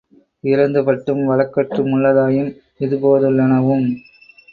இறந்து பட்டும் வழக்கற்று முள்ளதாயும், இதுபோ துள்ளனவும்